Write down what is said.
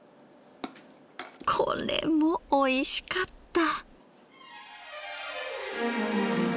これもおいしかった。